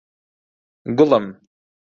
گوڵم!